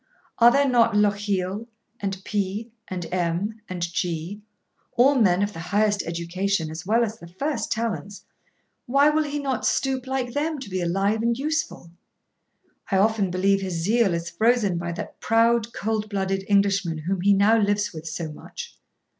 Are there not Lochiel, and P , and M , and G , all men of the highest education as well as the first talents, why will he not stoop like them to be alive and useful? I often believe his zeal is frozen by that proud cold blooded Englishman whom he now lives with so much.'